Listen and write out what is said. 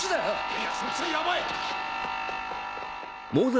いやそっちはヤバい！